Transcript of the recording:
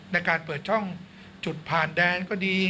ในการเปิดช่องจุดผ่านแดนก็ดี